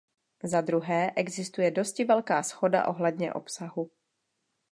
Za druhé, existuje dosti velká shoda ohledně obsahu.